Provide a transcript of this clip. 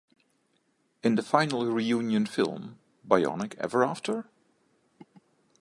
In the final reunion film, Bionic Ever After?